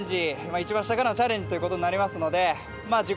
一番下からのチャレンジということになりますので自己